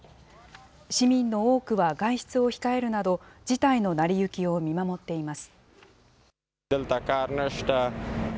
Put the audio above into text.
市民の多くは外出を控えるなど、事態の成り行きを見守っています。